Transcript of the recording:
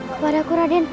kepada aku raden